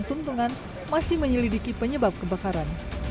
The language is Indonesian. tuntungan masih menyelidiki penyebab kebakaran